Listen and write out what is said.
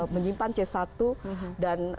menyimpan c satu dan